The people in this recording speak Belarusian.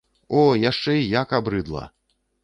О, яшчэ і як абрыдла!